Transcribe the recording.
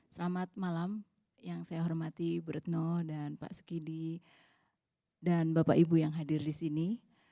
selamat malam yang saya hormati bu retno dan pak sekidi dan bapak ibu yang hadir di sini